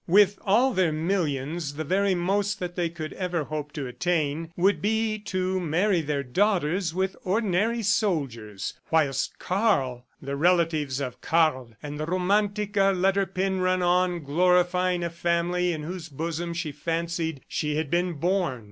With all their millions, the very most that they could ever hope to attain would be to marry their daughters with ordinary soldiers. Whilst Karl! ... The relatives of Karl! ... and the Romantica let her pen run on, glorifying a family in whose bosom she fancied she had been born.